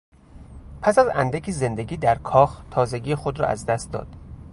پس از اندکی زندگی در کاخ تازگی خود را از دست داد.